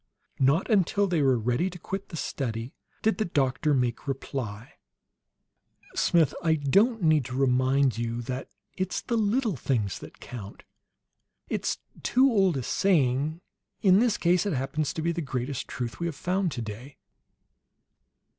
Not until they were ready to quit the study did the doctor make reply. "Smith, I don't need to remind you that it's the little things that count. It's too old a saying. In this case it happens to be the greatest truth we have found today.